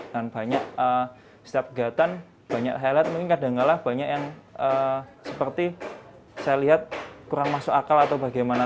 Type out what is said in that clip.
dan banyak setiap kegiatan banyak saya lihat mungkin kadang kadang banyak yang seperti saya lihat kurang masuk akal atau bagaimana